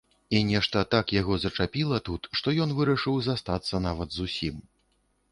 І нешта так яго зачапіла тут, што ён вырашыў застацца, нават зусім.